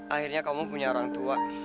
akhirnya kamu punya orang tua